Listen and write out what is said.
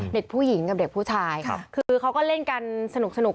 เด็กผู้หญิงกับเด็กผู้ชายคือเขาก็เล่นกันสนุก